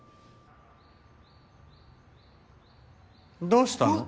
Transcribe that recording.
どうしたの？